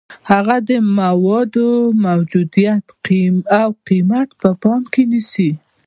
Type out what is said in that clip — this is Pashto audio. هغوی د موادو موجودیت او قیمت په پام کې نیسي.